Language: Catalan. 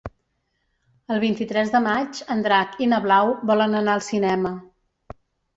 El vint-i-tres de maig en Drac i na Blau volen anar al cinema.